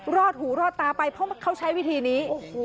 อดหูรอดตาไปเพราะเขาใช้วิธีนี้